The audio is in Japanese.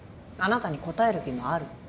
あなたに答える義務ある？